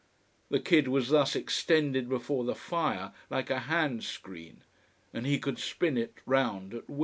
The kid was thus extended before the fire, like a hand screen. And he could spin it round at will.